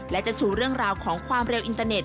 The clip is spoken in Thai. และจะชูเรื่องราวของความเร็วอินเตอร์เน็ต